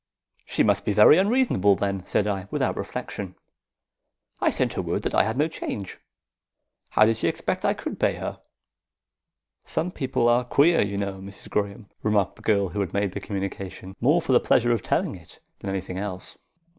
"She must be very unreasonable, then," said I, without reflection. "I sent her word that I had no change. How did she expect I could pay her?" "Some people are queer, you know, Mrs. Graham," remarked the girl who had made the communication, more for the pleasure of telling it than any thing else.